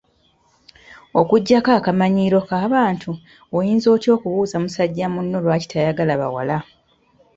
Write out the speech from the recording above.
Okuggyako akamanyiiro k’abantu, oyinza otya okubuuza musajja muno lwaki teyagala bawala?